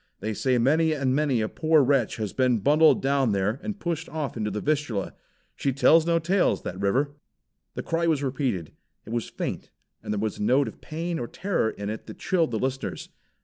They say many and many a poor wretch has been bundled down there and pushed off into the Vistula. She tells no tales, that river." The cry was repeated. It was faint, and there was a note of pain or terror in it that chilled the listeners.